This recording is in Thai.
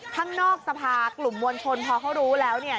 ข้างนอกสภากลุ่มมวลชนพอเขารู้แล้ว